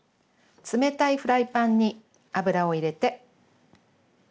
冷たいフライパンに油を入れて。